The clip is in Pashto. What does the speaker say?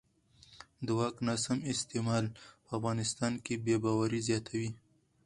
د واک ناسم استعمال په افغانستان کې بې باورۍ زیاتوي